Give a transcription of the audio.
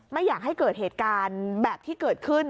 ไม่อยากให้เกิดเหตุการณ์แบบที่เกิดขึ้น